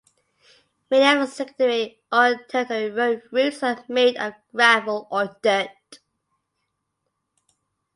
Many of the secondary or tertiary road routes are made of gravel or dirt.